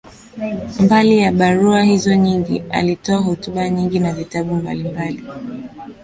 Mbali ya barua hizo nyingi, alitoa hotuba nyingi na vitabu mbalimbali.